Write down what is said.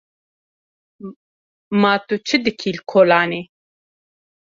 Ma tu çi dikî li kolanê?